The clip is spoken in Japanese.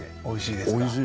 おいしいですか？